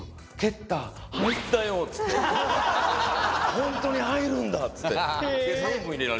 ホントに入るんだっつって。